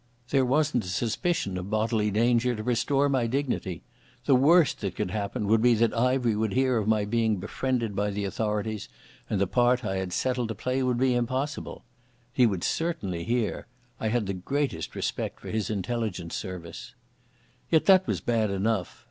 There wasn't a suspicion of bodily danger to restore my dignity. The worst that could happen would be that Ivery would hear of my being befriended by the authorities, and the part I had settled to play would be impossible. He would certainly hear. I had the greatest respect for his intelligence service. Yet that was bad enough.